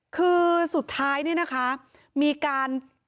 คือสุดท้ายมีการ